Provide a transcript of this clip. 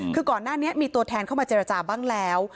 คือก่อนหน้านี้มีตัวแทนเข้ามาเจรจาบ้างแล้ว